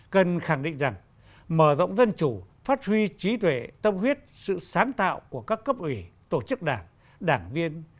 cần khẳng định rằng mở rộng dân chủ phát huy trí tuệ tâm huyết sự sáng tạo của các cấp ủy tổ chức đảng đảng viên